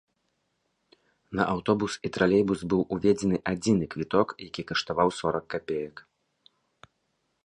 На аўтобус і тралейбус быў уведзены адзіны квіток, які каштаваў сорак капеек.